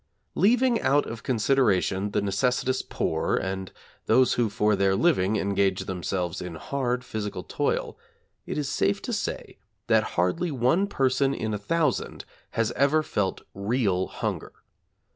Leaving out of consideration the necessitous poor and those who for their living engage themselves in hard physical toil, it is safe to say that hardly one person in a thousand has ever felt real hunger.